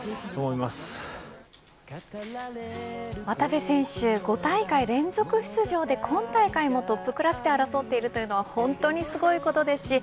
渡部選手、５大会連続出場で今大会もトップクラスで争っているというのは本当にすごいことです。